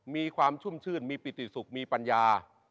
มีความชุ่มชื่นมีปิติสุขมีปัญญา